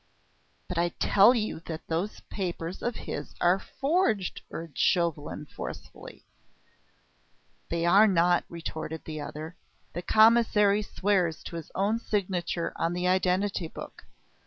"But I tell you that, those papers of his are forged," urged Chauvelin forcefully. "They are not," retorted the other. "The Commissary swears to his own signature on the identity book.